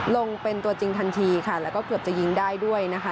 ลงเป็นตัวจริงทันทีค่ะแล้วก็เกือบจะยิงได้ด้วยนะคะ